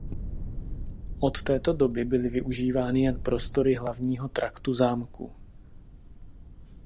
Od této doby byly využívány jen prostory hlavního traktu zámku.